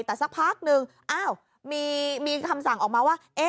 แต่สักพักนึงมีคำสั่งออกมาว่า